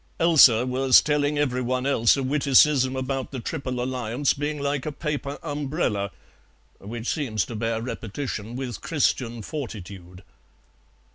Elsa was telling every one else a witticism about the Triple Alliance being like a paper umbrella which seems to bear repetition with Christian fortitude."